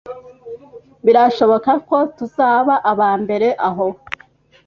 Birashoboka ko tuzaba abambere aho.